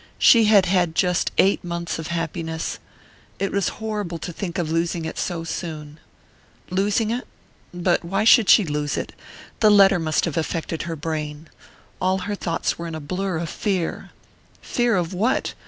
She had had just eight months of happiness it was horrible to think of losing it so soon.... Losing it? But why should she lose it? The letter must have affected her brain...all her thoughts were in a blur of fear.... Fear of what?